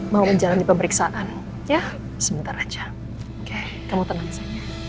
mau menjalani pemeriksaan ya sebentar aja oke kamu tenang saja